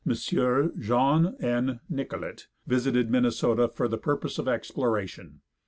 Jean N. Nicollet, visited Minnesota for the purpose of exploration.